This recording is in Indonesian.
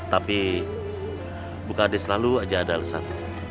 tapi bukhades selalu aja ada alasan